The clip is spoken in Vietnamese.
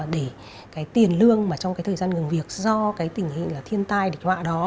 để tiền lương trong thời gian ngừng việc do tình hình thiên tai địch họa đó